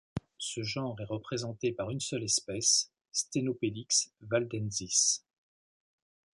Ce genre est représenté par une seule espèce Stenopelix valdensis.